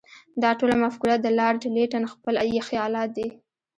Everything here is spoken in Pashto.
دا ټوله مفکوره د لارډ لیټن خپل خیالات دي.